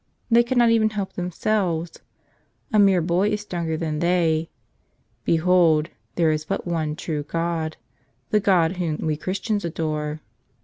They cannot even help them¬ selves. A mere boy is stronger than they. Behold, there is but one true God, the God Whom we Chris¬ tians adore."